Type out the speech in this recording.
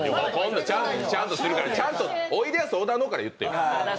ちゃんと、「おいでやす小田の」から言ってよ。